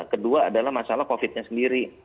kedua adalah masalah covid nya sendiri